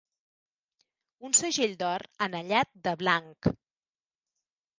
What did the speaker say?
Un segell d'or anellat de blanc.